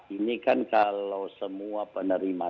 ini kan kalau semua penerima